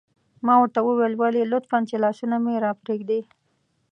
ما ورته وویل: ولې؟ لطفاً، چې لاسونه مې را پرېږدي.